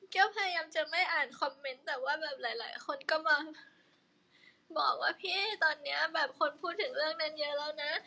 ก็พยายามจะไม่อ่านคอมเมนต์แต่ว่าแบบหลายคนก็มาบอกว่าพี่ตอนนี้แบบคนพูดถึงเรื่องนั้นเยอะแล้วนะ